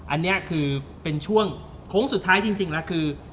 อันนี้คือเป็นช่วงโค้งสุดท้ายจริงแล้วคือ